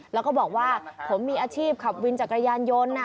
แล้วก็บอกว่าผมมีอาชีพขับวินจักรยานยนต์